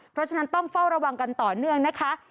เพราะฉะนั้นต้องเฝ้าระวังกันต่อเนื่องนะคะ